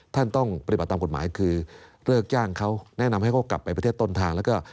ต้องปฏิบัติตามกฎหมายคือเลิกจ้างเขาแนะนำให้เขากลับไปประเทศต้นทางแล้วก็